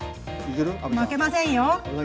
負けませんよ。